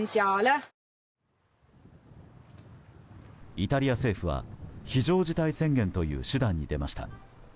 イタリア政府は非常事態宣言という手段に出ました。